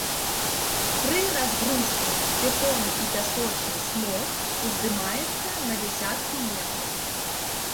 Пры разгрузцы бетонны і пясочны смог уздымаецца на дзясяткі метраў.